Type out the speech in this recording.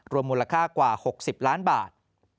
มูลค่ากว่า๖๐ล้านบาท